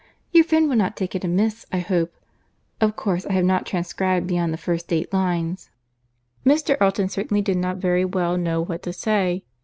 Your friend will not take it amiss I hope. Of course I have not transcribed beyond the first eight lines." Mr. Elton certainly did not very well know what to say.